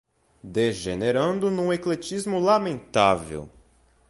degenerando num ecletismo lamentável